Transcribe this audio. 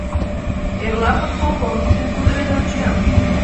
— Эрла подполковник дене кутырен ончем...